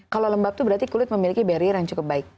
kalau lembab itu berarti kulit memiliki barrier yang cukup baik